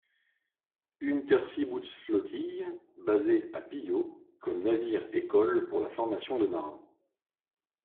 Unterseebootsflottille basé à Pillau, comme navire-école, pour la formation de marins.